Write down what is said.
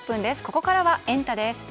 ここからはエンタ！です。